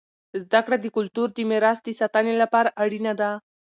زده کړه د کلتور د میراث د ساتنې لپاره اړینه دی.